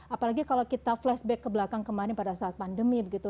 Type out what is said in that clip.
apalagi kalau kita flashback ke belakang kemarin pada saat pandemi begitu